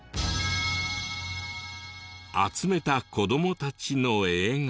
集めた子どもたちの絵が。